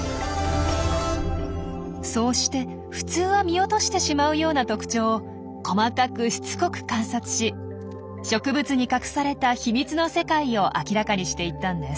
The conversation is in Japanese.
そうして普通は見落としてしまうような特徴を細かくしつこく観察し植物に隠された秘密の世界を明らかにしていったんです。